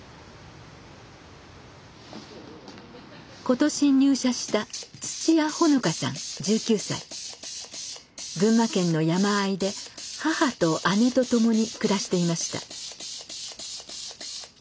今年入社した群馬県の山あいで母と姉と共に暮らしていました。